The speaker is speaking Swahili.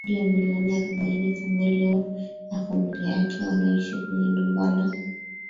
cha zaidi ya milioni arobaini Chameleone na familia yake wanaishi kwenye jumba lao la